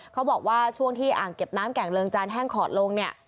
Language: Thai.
เขาบอกว่าช่วงที่อ่างเก็บน้ำแก่งเริงจานแห้งขอดลงเนี่ย